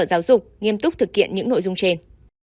giáo dục nghiêm túc thực hiện những nội dung trên